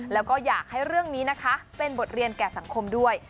แล้วก็อยากให้เรื่องนี้นะคะเป็นบทเรียนแก่สังคมด้วย